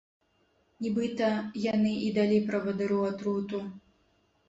Нібыта, яны і далі правадыру атруту.